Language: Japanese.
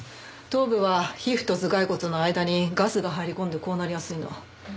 頭部は皮膚と頭蓋骨の間にガスが入り込んでこうなりやすいの。